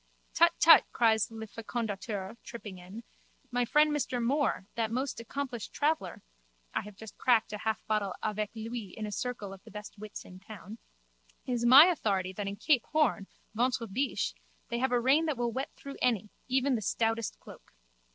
Tut, tut! cries Le Fécondateur, tripping in, my friend Monsieur Moore, that most accomplished traveller (I have just cracked a half bottle avec lui in a circle of the best wits of the town), is my authority that in Cape Horn, ventre biche, they have a rain that will wet through any, even the stoutest cloak.